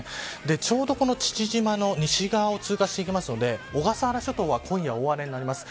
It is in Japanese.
ちょうど父島の西側を通過していくので小笠原諸島は今夜、大荒れになります。